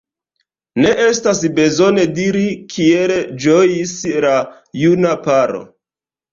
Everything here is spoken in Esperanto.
Ne estas bezone diri, kiel ĝojis la juna paro.